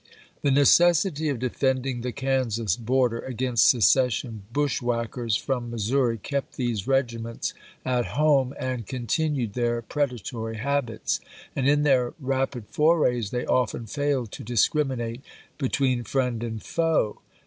The necessity of defending the Kansas border against secession bushwhackers from Mis souri kept these regiments at home and continued their predatory habits; and in their rapid forays they often failed to discriminate between friend and foe.